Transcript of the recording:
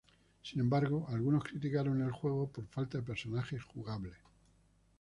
Sin embargo, algunos criticaron el juego por falta de personajes jugables.